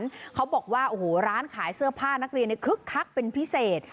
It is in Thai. เขาบอกว่าโอ้โหร้านขายเสื้อผ้านักเรียนเนี่ยคึกคักเป็นพิเศษ